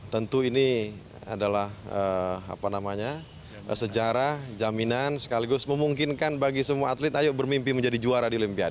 tentu ini adalah sejarah jaminan sekaligus memungkinkan bagi semua atlet ayo bermimpi menjadi juara di olimpiade